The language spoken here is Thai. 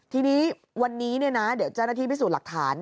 ทีนี้วันนี้เดี๋ยวเจ้าหน้าที่พิสูจน์หลักฐาน